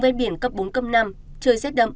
vết biển cấp bốn cấp năm trời rét đậm